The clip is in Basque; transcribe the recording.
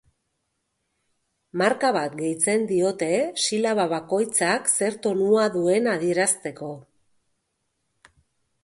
Marka bat gehitzen diote silaba bakoitzak zer tonua duen adierazteko.